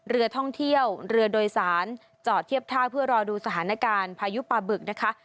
เรือท่องเที่ยวเรือโดยสารจอดเทียบท่าเพื่อรอดูสถานการณ์พายุปลาบึกนะคะ